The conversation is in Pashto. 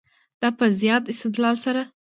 دا په زیات استدلال سره ده.